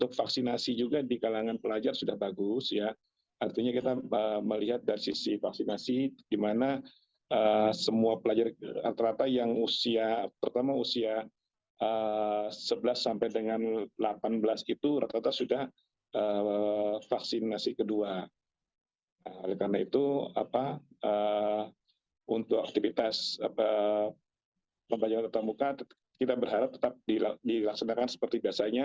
karena itu untuk aktivitas pembelajaran tetap muka kita berharap tetap dilaksanakan seperti biasanya